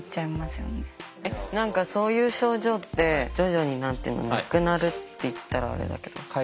何かそういう症状って徐々になくなるって言ったらあれだけど。